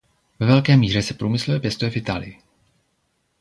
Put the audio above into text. Ve velké míře se průmyslově pěstuje v Itálii.